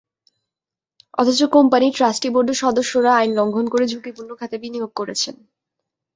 অথচ কোম্পানির ট্রাস্টি বোর্ডের সদস্যরা আইন লঙ্ঘন করে ঝুঁকিপূর্ণ খাতে বিনিয়োগ করেছেন।